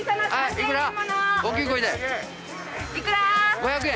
５００円？